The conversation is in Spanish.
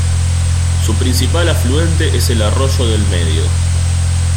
Su principal afluente es el arroyo del Medio.